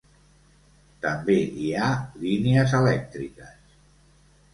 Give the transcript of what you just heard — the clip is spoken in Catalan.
També hi ha línies elèctriques.